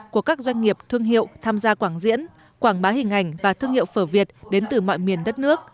của các doanh nghiệp thương hiệu tham gia quảng diễn quảng bá hình ảnh và thương hiệu phở việt đến từ mọi miền đất nước